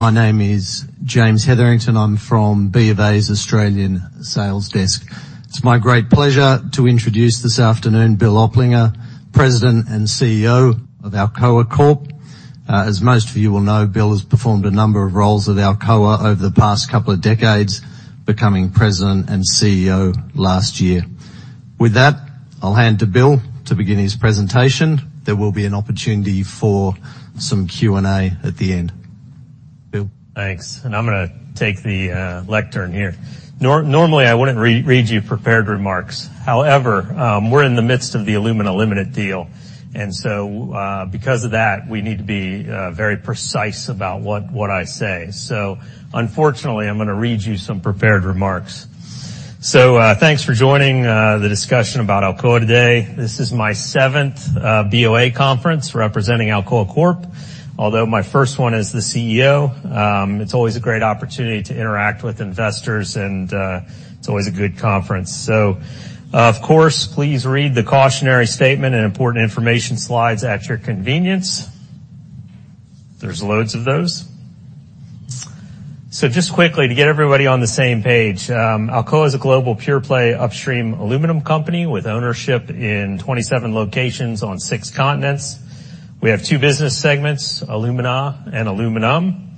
My name is James Hetherington. I'm from B of A's Australian Sales Desk. It's my great pleasure to introduce this afternoon Bill Oplinger, President and CEO of Alcoa Corp. As most of you will know, Bill has performed a number of roles at Alcoa over the past couple of decades, becoming President and CEO last year. With that, I'll hand to Bill to begin his presentation. There will be an opportunity for some Q&A at the end. Bill. Thanks. And I'm going to take the lectern here. Normally, I wouldn't read you prepared remarks. However, we're in the midst of the Alumina Limited deal, and so because of that, we need to be very precise about what I say. So unfortunately, I'm going to read you some prepared remarks. So thanks for joining the discussion about Alcoa today. This is my seventh B of A conference representing Alcoa Corp, although my first one as the CEO. It's always a great opportunity to interact with investors, and it's always a good conference. So of course, please read the cautionary statement and important information slides at your convenience. There's loads of those. So just quickly, to get everybody on the same page, Alcoa is a global pure play upstream aluminum company with ownership in 27 locations on six continents. We have two business segments, Alumina and Aluminum.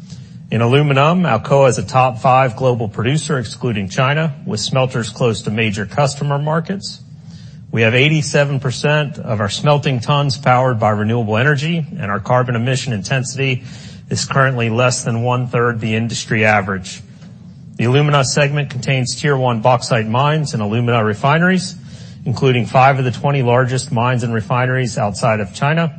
In aluminum, Alcoa is a top five global producer, excluding China, with smelters close to major customer markets. We have 87% of our smelting tons powered by renewable energy, and our carbon emission intensity is currently less than one-third the industry average. The Alumina segment contains tier one bauxite mines and alumina refineries, including five of the 20 largest mines and refineries outside of China.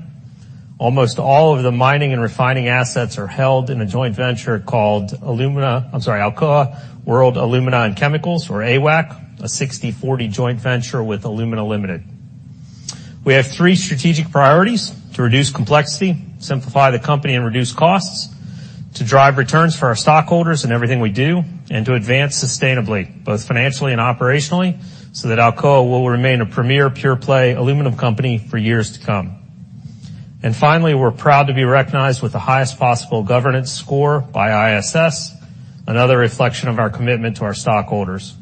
Almost all of the mining and refining assets are held in a joint venture called Alcoa World Alumina and Chemicals, or AWAC, a 60/40 joint venture with Alumina Limited. We have three strategic priorities: to reduce complexity, simplify the company, and reduce costs. To drive returns for our stockholders in everything we do. And to advance sustainably, both financially and operationally, so that Alcoa will remain a premier pure play aluminum company for years to come. And finally, we're proud to be recognized with the highest possible governance score by ISS, another reflection of our commitment to our stockholders.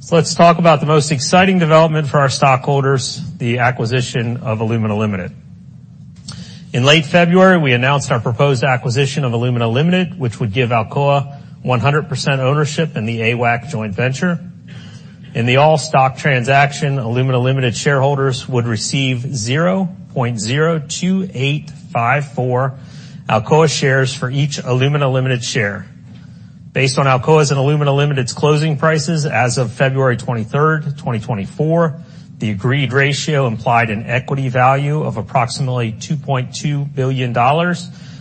So let's talk about the most exciting development for our stockholders, the acquisition of Alumina Limited. In late February, we announced our proposed acquisition of Alumina Limited, which would give Alcoa 100% ownership in the AWAC joint venture. In the all stock transaction, Alumina Limited shareholders would receive 0.02854 Alcoa shares for each Alumina Limited share. Based on Alcoa's and Alumina Limited's closing prices as of February 23rd, 2024, the agreed ratio implied an equity value of approximately $2.2 billion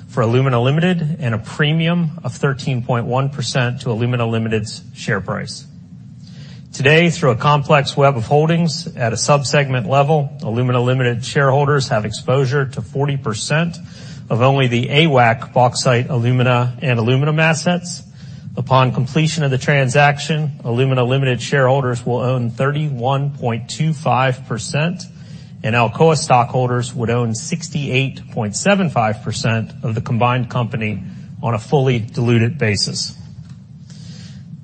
for Alumina Limited and a premium of 13.1% to Alumina Limited's share price. Today, through a complex web of holdings at a subsegment level, Alumina Limited shareholders have exposure to 40% of only the AWAC, bauxite, alumina, and aluminum assets. Upon completion of the transaction, Alumina Limited shareholders will own 31.25%, and Alcoa stockholders would own 68.75% of the combined company on a fully diluted basis.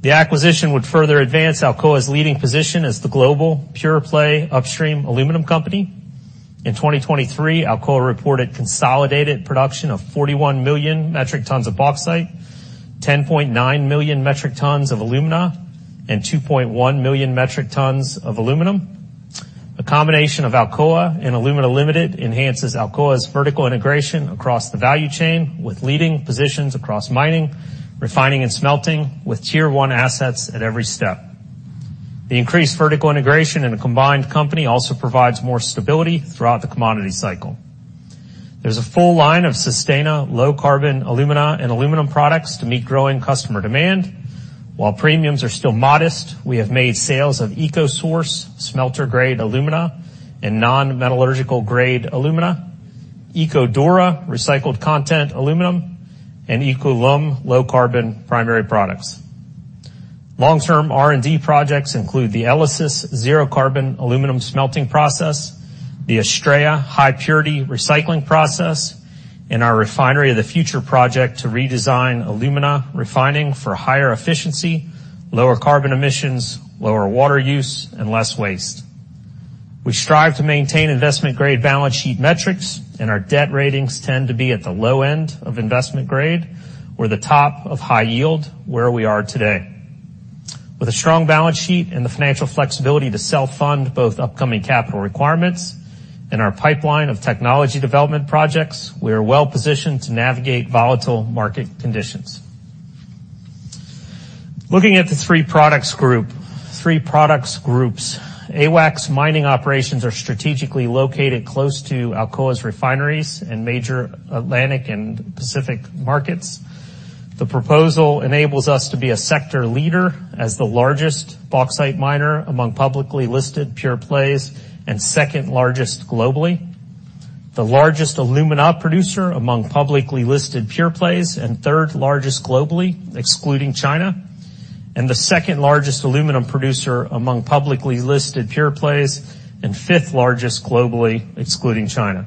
The acquisition would further advance Alcoa's leading position as the global pure play upstream aluminum company. In 2023, Alcoa reported consolidated production of 41 million metric tons of bauxite, 10.9 million metric tons of alumina, and 2.1 million metric tons of aluminum. A combination of Alcoa and Alumina Limited enhances Alcoa's vertical integration across the value chain, with leading positions across mining, refining, and smelting, with tier one assets at every step. The increased vertical integration in a combined company also provides more stability throughout the commodity cycle. There's a full line of Sustana, low carbon alumina, and aluminum products to meet growing customer demand. While premiums are still modest, we have made sales of EcoSource smelter grade alumina and non-metallurgical grade alumina, EcoDura recycled content aluminum, and EcoLum low carbon primary products. Long-term R&D projects include the ELYSIS zero carbon aluminum smelting process, the ASTRAEA high purity recycling process, and our Refinery of the Future project to redesign alumina refining for higher efficiency, lower carbon emissions, lower water use, and less waste. We strive to maintain investment grade balance sheet metrics, and our debt ratings tend to be at the low end of investment grade or the top of high yield where we are today. With a strong balance sheet and the financial flexibility to self-fund both upcoming capital requirements and our pipeline of technology development projects, we are well positioned to navigate volatile market conditions. Looking at the three products group, three products groups, AWAC's mining operations are strategically located close to Alcoa's refineries and major Atlantic and Pacific markets. The proposal enables us to be a sector leader as the largest bauxite miner among publicly listed pure plays and second largest globally, the largest alumina producer among publicly listed pure plays and third largest globally, excluding China, and the second largest aluminum producer among publicly listed pure plays and fifth largest globally, excluding China.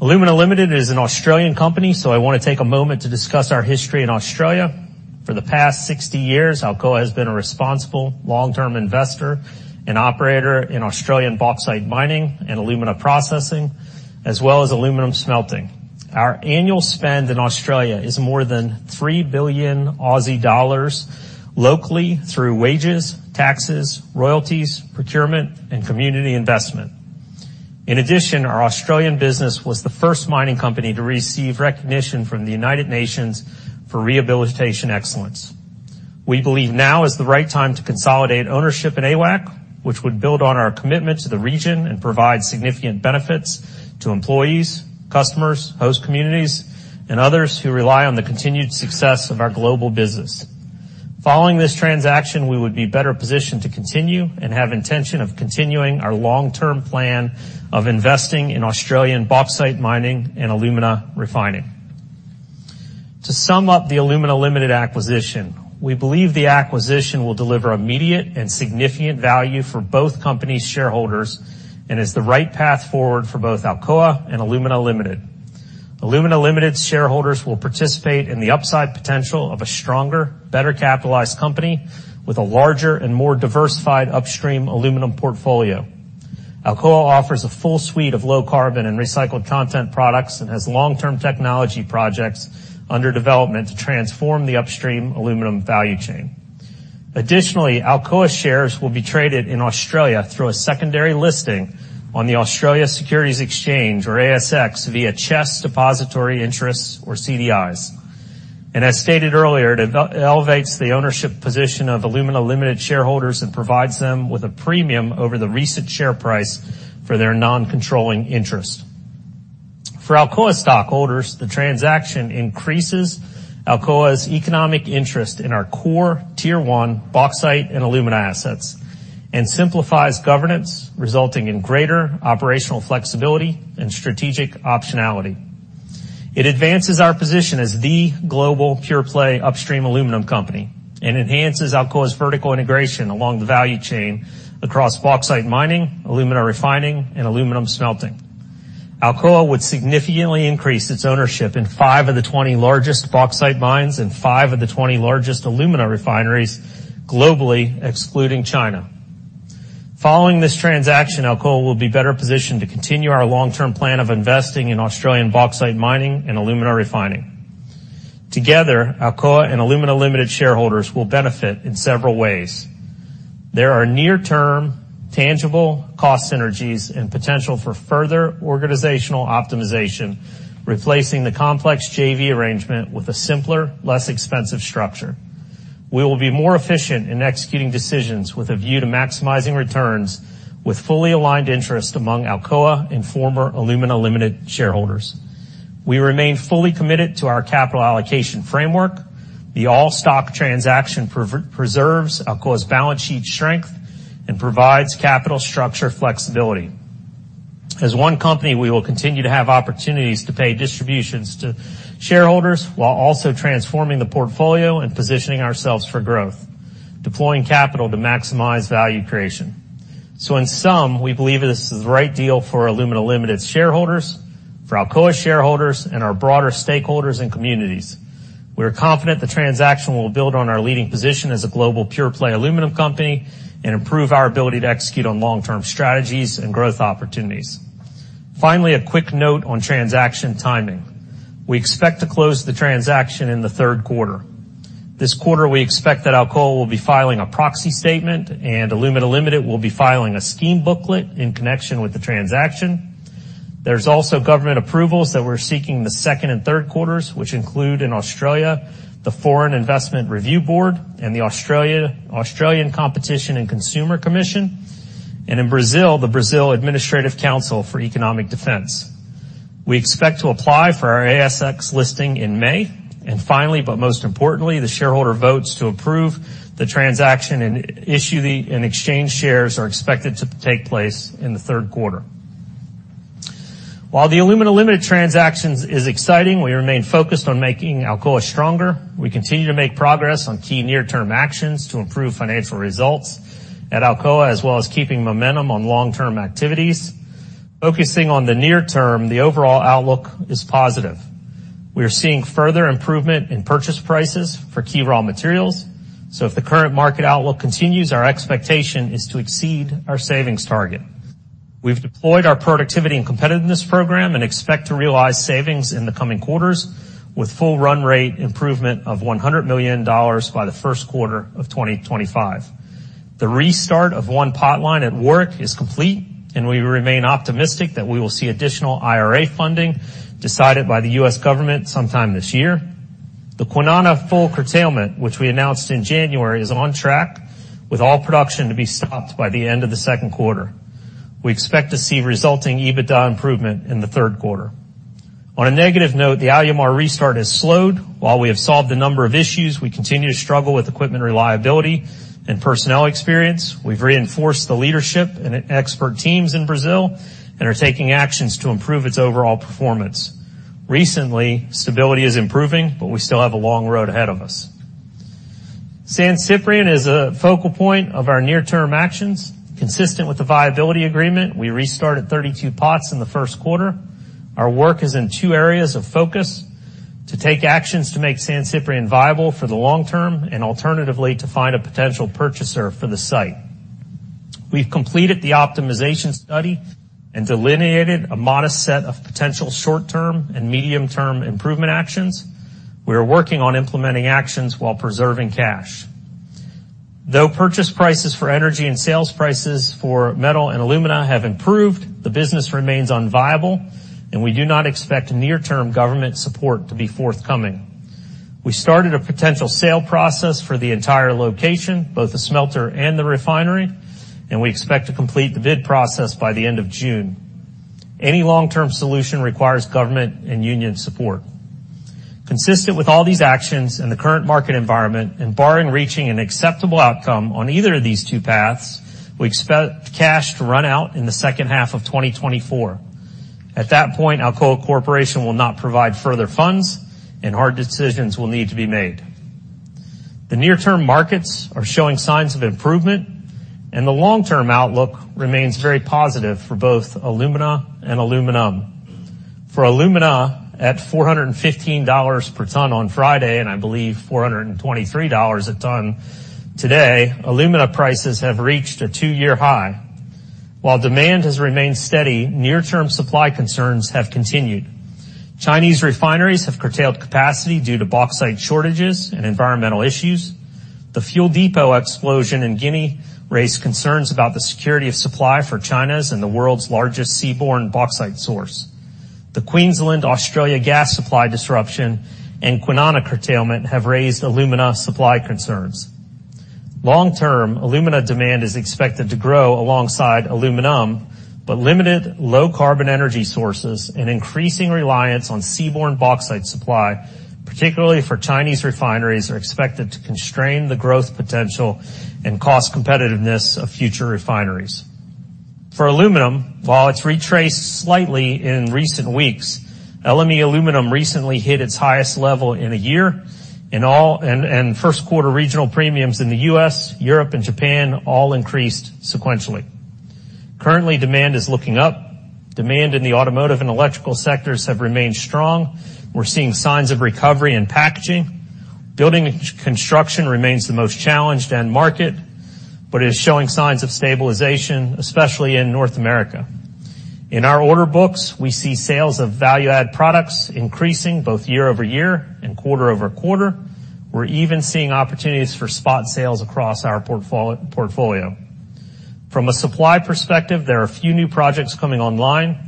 Alumina Limited is an Australian company, so I want to take a moment to discuss our history in Australia. For the past 60 years, Alcoa has been a responsible long-term investor and operator in Australian bauxite mining and alumina processing, as well as aluminum smelting. Our annual spend in Australia is more than 3 billion Aussie dollars locally through wages, taxes, royalties, procurement, and community investment. In addition, our Australian business was the first mining company to receive recognition from the United Nations for rehabilitation excellence. We believe now is the right time to consolidate ownership in AWAC, which would build on our commitment to the region and provide significant benefits to employees, customers, host communities, and others who rely on the continued success of our global business. Following this transaction, we would be better positioned to continue and have intention of continuing our long-term plan of investing in Australian bauxite mining and alumina refining. To sum up the Alumina Limited acquisition, we believe the acquisition will deliver immediate and significant value for both companies' shareholders and is the right path forward for both Alcoa and Alumina Limited. Alumina Limited's shareholders will participate in the upside potential of a stronger, better capitalized company with a larger and more diversified upstream aluminum portfolio. Alcoa offers a full suite of low carbon and recycled content products and has long-term technology projects under development to transform the upstream aluminum value chain. Additionally, Alcoa shares will be traded in Australia through a secondary listing on the Australian Securities Exchange, or ASX, via CHESS Depositary Interests, or CDIs. As stated earlier, it elevates the ownership position of Alumina Limited shareholders and provides them with a premium over the recent share price for their non-controlling interest. For Alcoa stockholders, the transaction increases Alcoa's economic interest in our core tier one bauxite and alumina assets and simplifies governance, resulting in greater operational flexibility and strategic optionality. It advances our position as the global pure play upstream aluminum company and enhances Alcoa's vertical integration along the value chain across bauxite mining, alumina refining, and aluminum smelting. Alcoa would significantly increase its ownership in five of the 20 largest bauxite mines and five of the 20 largest alumina refineries globally, excluding China. Following this transaction, Alcoa will be better positioned to continue our long-term plan of investing in Australian bauxite mining and alumina refining. Together, Alcoa and Alumina Limited shareholders will benefit in several ways. There are near-term tangible cost synergies and potential for further organizational optimization, replacing the complex JV arrangement with a simpler, less expensive structure. We will be more efficient in executing decisions with a view to maximizing returns with fully aligned interest among Alcoa and former Alumina Limited shareholders. We remain fully committed to our capital allocation framework. The all stock transaction preserves Alcoa's balance sheet strength and provides capital structure flexibility. As one company, we will continue to have opportunities to pay distributions to shareholders while also transforming the portfolio and positioning ourselves for growth, deploying capital to maximize value creation. So in sum, we believe this is the right deal for Alumina Limited's shareholders, for Alcoa shareholders, and our broader stakeholders and communities. We are confident the transaction will build on our leading position as a global pure play aluminum company and improve our ability to execute on long-term strategies and growth opportunities. Finally, a quick note on transaction timing. We expect to close the transaction in the third quarter. This quarter, we expect that Alcoa will be filing a proxy statement and Alumina Limited will be filing a scheme booklet in connection with the transaction. There's also government approvals that we're seeking in the second and third quarters, which include in Australia the Foreign Investment Review Board and the Australian Competition and Consumer Commission, and in Brazil, the Brazil Administrative Council for Economic Defense. We expect to apply for our ASX listing in May. And finally, but most importantly, the shareholder votes to approve the transaction and issue the exchange shares are expected to take place in the third quarter. While the Alumina Limited transaction is exciting, we remain focused on making Alcoa stronger. We continue to make progress on key near-term actions to improve financial results at Alcoa, as well as keeping momentum on long-term activities. Focusing on the near term, the overall outlook is positive. We are seeing further improvement in purchase prices for key raw materials. So if the current market outlook continues, our expectation is to exceed our savings target. We've deployed our productivity and competitiveness program and expect to realize savings in the coming quarters with full run rate improvement of $100 million by the first quarter of 2025. The restart of one potline at Warrick is complete, and we remain optimistic that we will see additional IRA funding decided by the U.S. government sometime this year. The Kwinana full curtailment, which we announced in January, is on track with all production to be stopped by the end of the second quarter. We expect to see resulting EBITDA improvement in the third quarter. On a negative note, the Alumar restart has slowed. While we have solved a number of issues, we continue to struggle with equipment reliability and personnel experience. We've reinforced the leadership and expert teams in Brazil and are taking actions to improve its overall performance. Recently, stability is improving, but we still have a long road ahead of us. San Ciprián is a focal point of our near-term actions, consistent with the viability agreement. We restarted 32 pots in the first quarter. Our work is in two areas of focus: to take actions to make San Ciprián viable for the long term and alternatively to find a potential purchaser for the site. We've completed the optimization study and delineated a modest set of potential short-term and medium-term improvement actions. We are working on implementing actions while preserving cash. Though purchase prices for energy and sales prices for metal and alumina have improved, the business remains unviable, and we do not expect near-term government support to be forthcoming. We started a potential sale process for the entire location, both the smelter and the refinery, and we expect to complete the bid process by the end of June. Any long-term solution requires government and union support. Consistent with all these actions and the current market environment and barring reaching an acceptable outcome on either of these two paths, we expect cash to run out in the second half of 2024. At that point, Alcoa Corporation will not provide further funds, and hard decisions will need to be made. The near-term markets are showing signs of improvement, and the long-term outlook remains very positive for both alumina and aluminum. For alumina at $415 per ton on Friday and I believe $423 a ton today, alumina prices have reached a two-year high. While demand has remained steady, near-term supply concerns have continued. Chinese refineries have curtailed capacity due to bauxite shortages and environmental issues. The fuel depot explosion in Guinea raised concerns about the security of supply for China's and the world's largest seaborne bauxite source. The Queensland, Australia gas supply disruption and Kwinana curtailment have raised alumina supply concerns. Long-term, alumina demand is expected to grow alongside aluminum, but limited low carbon energy sources and increasing reliance on seaborne bauxite supply, particularly for Chinese refineries, are expected to constrain the growth potential and cost competitiveness of future refineries. For aluminum, while it's retraced slightly in recent weeks, LME aluminum recently hit its highest level in a year, and first quarter regional premiums in the U.S., Europe, and Japan all increased sequentially. Currently, demand is looking up. Demand in the automotive and electrical sectors have remained strong. We're seeing signs of recovery in packaging. Building and construction remains the most challenged end market, but it is showing signs of stabilization, especially in North America. In our order books, we see sales of value-add products increasing both year-over-year and quarter-over-quarter. We're even seeing opportunities for spot sales across our portfolio. From a supply perspective, there are a few new projects coming online.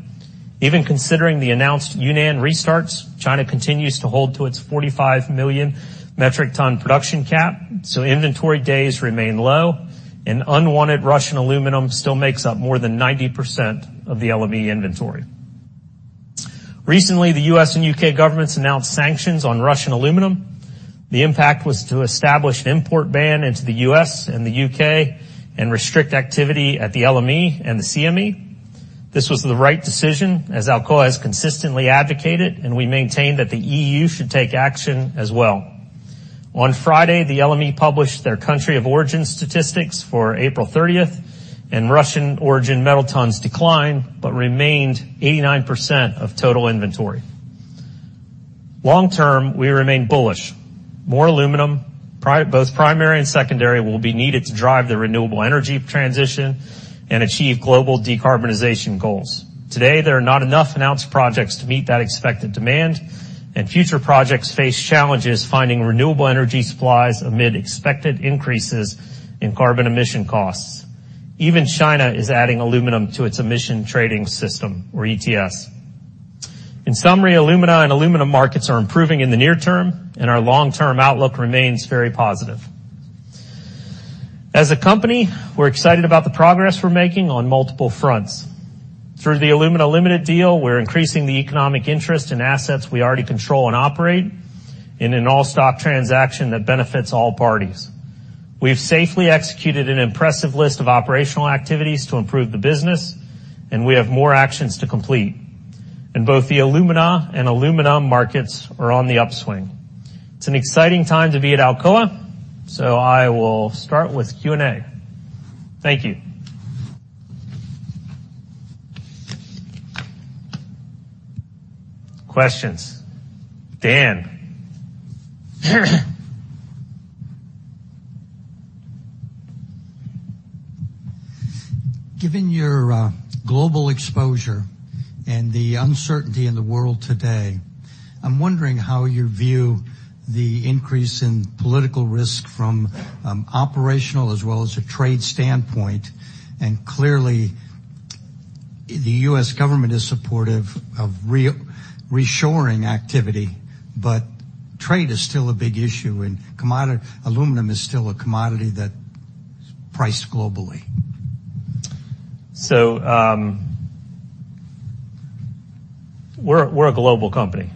Even considering the announced Yunnan restarts, China continues to hold to its 45 million metric ton production cap. So inventory days remain low, and unwanted Russian aluminum still makes up more than 90% of the LME inventory. Recently, the U.S. and U.K. governments announced sanctions on Russian aluminum. The impact was to establish an import ban into the U.S. and the U.K. and restrict activity at the LME and the CME. This was the right decision, as Alcoa has consistently advocated, and we maintain that the EU should take action as well. On Friday, the LME published their country of origin statistics for April 30th, and Russian origin metal tons declined but remained 89% of total inventory. Long-term, we remain bullish. More aluminum, both primary and secondary, will be needed to drive the renewable energy transition and achieve global decarbonization goals. Today, there are not enough announced projects to meet that expected demand, and future projects face challenges finding renewable energy supplies amid expected increases in carbon emission costs. Even China is adding aluminum to its emission trading system, or ETS. In summary, alumina and aluminum markets are improving in the near term, and our long-term outlook remains very positive. As a company, we're excited about the progress we're making on multiple fronts. Through the Alumina Limited deal, we're increasing the economic interest in assets we already control and operate in an all stock transaction that benefits all parties. We've safely executed an impressive list of operational activities to improve the business, and we have more actions to complete. Both the Alumina and aluminum markets are on the upswing. It's an exciting time to be at Alcoa, so I will start with Q&A. Thank you. Questions. Dan. Given your global exposure and the uncertainty in the world today, I'm wondering how you view the increase in political risk from operational as well as a trade standpoint. And clearly, the U.S. government is supportive of reshoring activity, but trade is still a big issue, and aluminum is still a commodity that's priced globally. So we're a global company.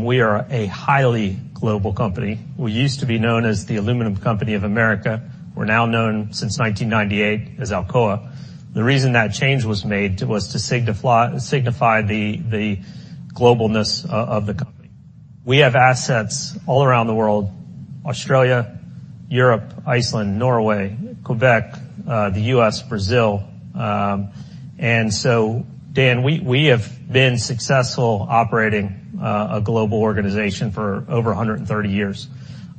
We are a highly global company. We used to be known as the Aluminum Company of America. We're now known since 1998 as Alcoa. The reason that change was made was to signify the globalness of the company. We have assets all around the world: Australia, Europe, Iceland, Norway, Quebec, the U.S., Brazil. And so, Dan, we have been successful operating a global organization for over 130 years.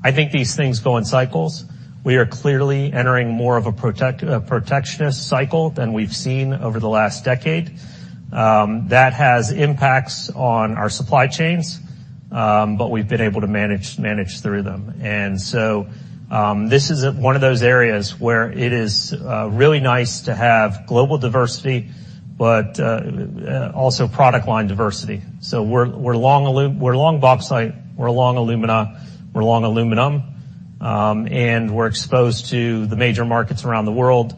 I think these things go in cycles. We are clearly entering more of a protectionist cycle than we've seen over the last decade. That has impacts on our supply chains, but we've been able to manage through them. And so this is one of those areas where it is really nice to have global diversity, but also product line diversity. So we're long bauxite, we're long alumina, we're long aluminum, and we're exposed to the major markets around the world.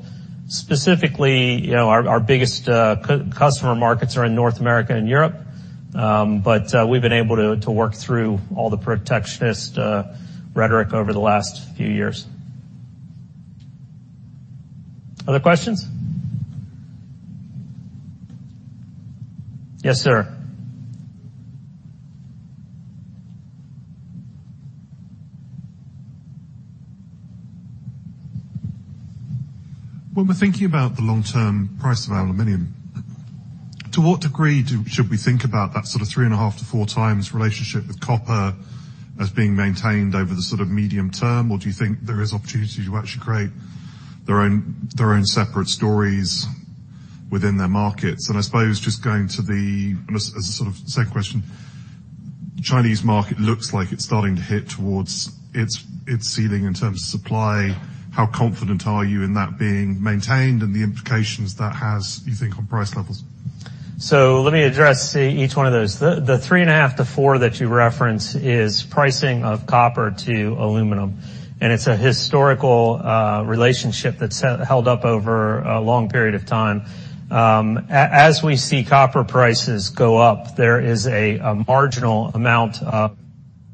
Specifically, our biggest customer markets are in North America and Europe, but we've been able to work through all the protectionist rhetoric over the last few years. Other questions? Yes, sir. When we're thinking about the long-term price of aluminum, to what degree should we think about that sort of 3.5-4x relationship with copper as being maintained over the sort of medium term, or do you think there is opportunity to actually create their own separate stories within their markets? And I suppose just going to the as a sort of second question, the Chinese market looks like it's starting to hit towards its ceiling in terms of supply. How confident are you in that being maintained and the implications that has, you think, on price levels? So let me address each one of those. The 3.5 - 4x that you referenced is pricing of copper to aluminum, and it's a historical relationship that's held up over a long period of time. As we see copper prices go up, there is a marginal amount of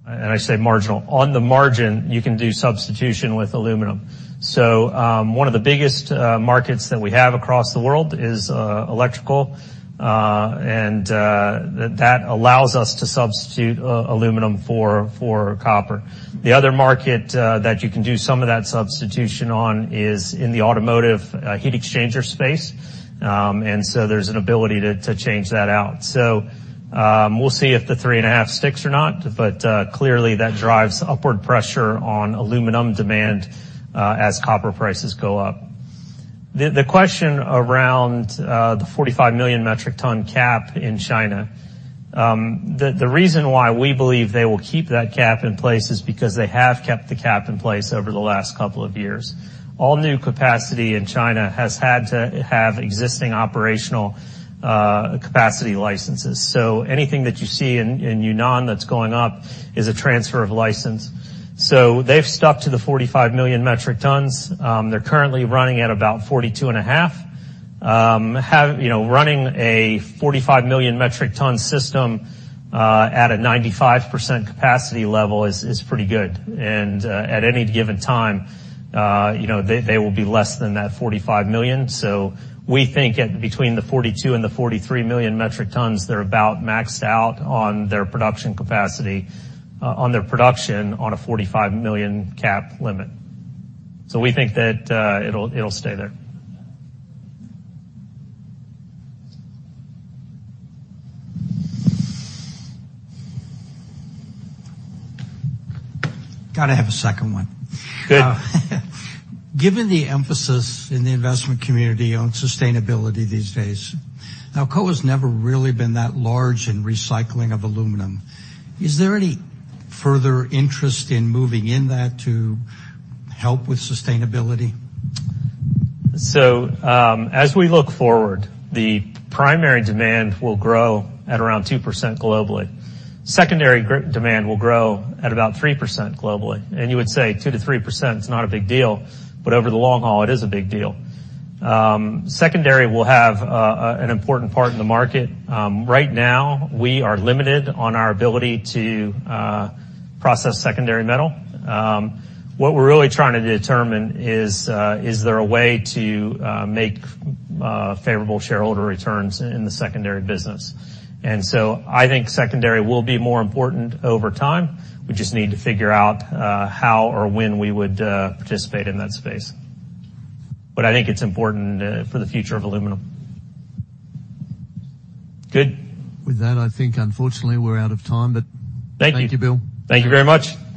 and I say marginal. On the margin, you can do substitution with aluminum. So one of the biggest markets that we have across the world is electrical, and that allows us to substitute aluminum for copper. The other market that you can do some of that substitution on is in the automotive heat exchanger space. And so there's an ability to change that out. So we'll see if the 3.5 sticks or not, but clearly, that drives upward pressure on aluminum demand as copper prices go up. The question around the 45 million metric ton cap in China, the reason why we believe they will keep that cap in place is because they have kept the cap in place over the last couple of years. All new capacity in China has had to have existing operational capacity licenses. So anything that you see in Yunnan that's going up is a transfer of license. So they've stuck to the 45 million metric tons. They're currently running at about 42.5. Running a 45 million metric ton system at a 95% capacity level is pretty good. And at any given time, they will be less than that 45 million. So we think between 42 and 43 million metric tons, they're about maxed out on their production capacity on their production on a 45 million cap limit. So we think that it'll stay there. Got to have a second one. Given the emphasis in the investment community on sustainability these days, Alcoa has never really been that large in recycling of aluminum. Is there any further interest in moving in that to help with sustainability? So as we look forward, the primary demand will grow at around 2% globally. Secondary demand will grow at about 3% globally. And you would say 2%-3%, it's not a big deal, but over the long haul, it is a big deal. Secondary will have an important part in the market. Right now, we are limited on our ability to process secondary metal. What we're really trying to determine is, is there a way to make favorable shareholder returns in the secondary business? And so I think secondary will be more important over time. We just need to figure out how or when we would participate in that space. But I think it's important for the future of aluminum. Good. With that, I think, unfortunately, we're out of time, but thank you, Bill. Thank you very much.